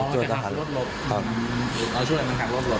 ช่วยจากหารถลบ